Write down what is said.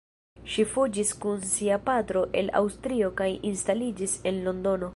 Ŝi fuĝis kun sia patro el Aŭstrio kaj instaliĝis en Londono.